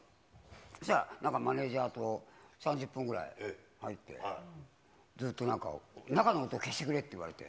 そしたらなんかマネージャーと３０分ぐらい入って、ずっと、中の音消してくれって言われて。